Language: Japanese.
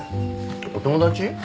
お友達？